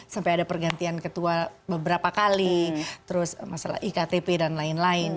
sampai ada pergantian ketua beberapa kali terus masalah iktp dan lain lain